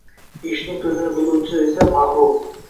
«Ishning ko‘zini biluvchi» esa mag‘rur.